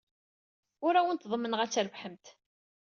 Ur awent-ḍemmneɣ ad trebḥemt.